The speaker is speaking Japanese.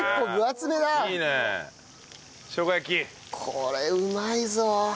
これうまいぞ。